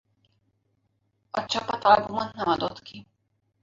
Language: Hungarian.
A csapat albumot nem adott ki.